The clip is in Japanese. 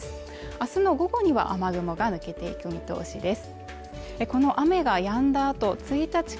明日の午後には雨雲が抜けていく見通しです。